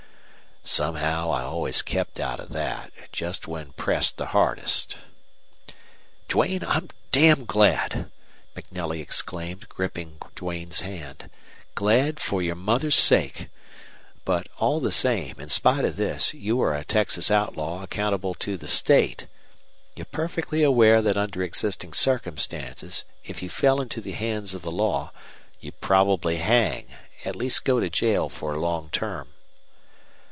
"Somehow I always kept out of that, just when pressed the hardest." "Duane, I'm damn glad!" MacNelly exclaimed, gripping Duane's hand. "Glad for you mother's sakel But, all the same, in spite of this, you are a Texas outlaw accountable to the state. You're perfectly aware that under existing circumstances, if you fell into the hands of the law, you'd probably hang, at least go to jail for a long term."